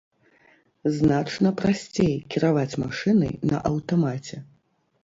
Значна прасцей кіраваць машынай на аўтамаце.